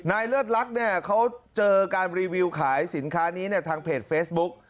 เลิศลักษณ์เนี่ยเขาเจอการรีวิวขายสินค้านี้เนี่ยทางเพจเฟซบุ๊ก